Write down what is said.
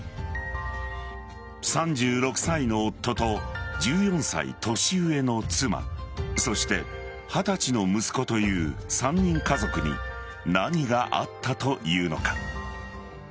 ３６歳の夫と１４歳年上の妻そして二十歳の息子という３人家族に何があったというのか。